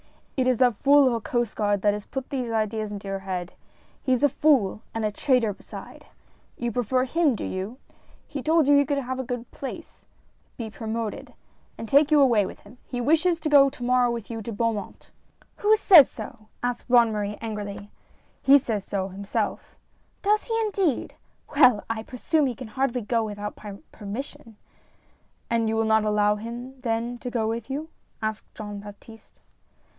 " It is that fool of a Coast Guard that has put these ideas into your head ! He is a fool and a traitor beside ! You prefer him, do you? He told you he could have a good place — be promoted — and take you away with him! He wishes to go to morrow with you to Beaumont "" Who says so ?" asked Bonne Marie, angrily. " He says so, himself." DREAMS. 45 "Does he indeed? Well! I presume he can hardly go without my permission "" And you will not allow him, then, to go with you ?" asked Jean Baptiste.